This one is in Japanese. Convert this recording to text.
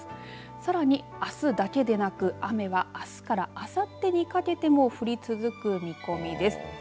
さらにあすだけでなく雨はあすからあさってにかけても降り続く見込みです。